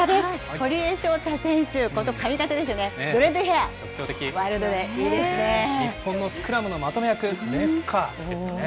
堀江翔太選手、この髪形ですよね、ドレッドヘア、ワイルドで日本のスクラムのまとめ役、名フッカーですよね。